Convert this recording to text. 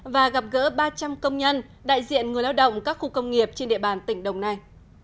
và gặp gỡ ba trăm linh công nhân đại diện người lao động các khu công nghiệp trên địa bàn tỉnh đồng nai